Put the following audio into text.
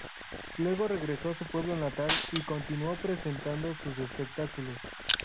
Luego regresó a su pueblo natal y continuó presentando sus espectáculos.